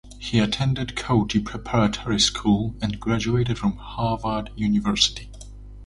He attended Choate preparatory school and graduated from Harvard University.